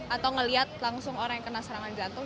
atau ngelihat langsung orang yang kena serangan jantung